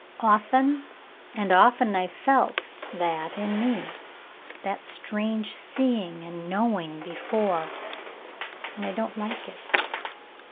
"Often and often I've felt that in me — that strange seeing and knowing before, and I don't like it.